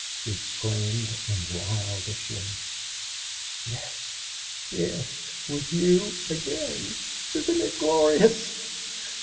he exclaimed, in wild assurance. "Yes yes.... With you again! Isn't it glorious?